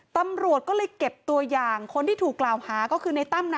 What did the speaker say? ตำรวจก็เลยเก็บตัวอย่างคนที่ถูกกล่าวหาก็คือในตั้มนะ